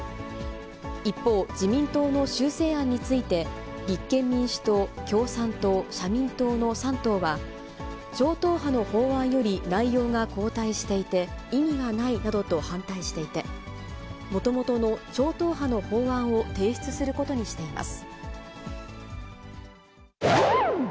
一方、自民党の修正案について、立憲民主党、共産党、社民党の３党は、超党派の法案より内容が後退していて、意味がないなどと反対していて、もともとの超党派の法案を提出することにしています。